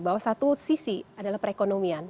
bahwa satu sisi adalah perekonomian